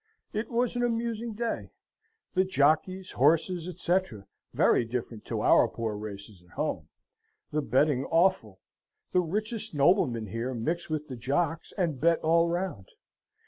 It was an amusing day the jockeys, horses, etc., very different to our poor races at home the betting awful the richest noblemen here mix with the jox, and bett all round.